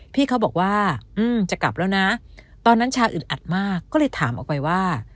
พี่เขาบอกว่าจะกลับแล้วนะตอนนั้นชาอึดอัดมากก็เลยถามออกไปว่า